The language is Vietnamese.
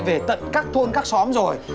về tận các thôn các xóm rồi